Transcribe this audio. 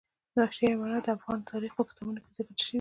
وحشي حیوانات د افغان تاریخ په کتابونو کې ذکر شوي دي.